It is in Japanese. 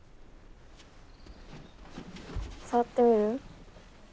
触ってみる？